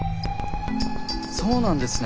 そうなんですね。